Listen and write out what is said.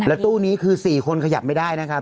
ตู้นี้คือ๔คนขยับไม่ได้นะครับ